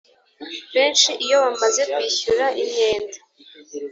benshi iyo bamaze kwishyura imyenda